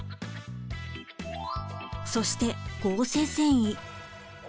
そして合成繊維。